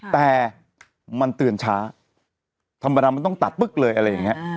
แต่มันเตือนช้าธรรมดามันต้องตัดปึ๊กเลยอะไรอย่างนี้